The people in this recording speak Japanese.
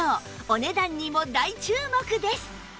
お値段にも大注目です